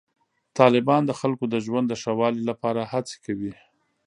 طالبان د خلکو د ژوند د ښه والي لپاره هڅې کوي.